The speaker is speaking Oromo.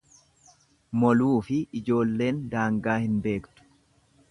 Moluufi ijoolleen daangaa hin beektu.